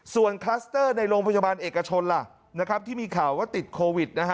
ส่วนคลัสเตอร์ในโรงพยาบาลเอกชนล่ะที่มีข่าวว่าติดโควิดนะฮะ